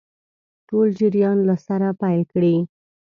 ټول جریان له سره پیل کړي.